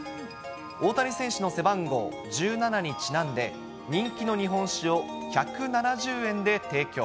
大谷選手の背番号１７にちなんで、人気の日本酒を１７０円で提供。